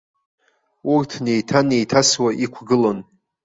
Урҭ неиҭа-неиҭасуа иқәгылон.